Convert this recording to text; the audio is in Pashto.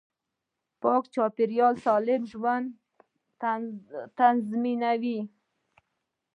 پاک چاپیریال سالم ژوند تضمینوي